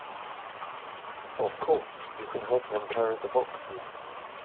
Of course, you can help them carry the boxes.